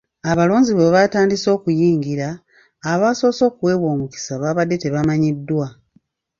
Abalonzi bwe batandise okuyingira, abasoose okuweebwa omukisa babadde tebamanyiddwa.